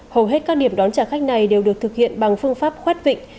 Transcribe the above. hầu hết các điểm đón trả khách này đều được thực hiện bằng phương pháp khoát vịnh